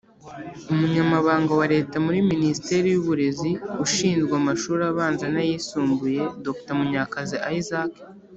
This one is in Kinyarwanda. Umunyamabanga wa Leta muri Minisiteri y’Uburezi ushinzwe amashuri abanza n’ayisumbuye, Dr Munyakazi Isaac